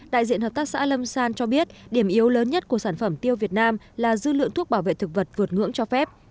đại diện hợp tác xã lâm san cho biết điểm yếu lớn nhất của sản phẩm tiêu việt nam là dư lượng thuốc bảo vệ thực vật vượt ngưỡng cho phép